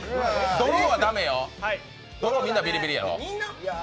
ドローはみんなビリビリよ。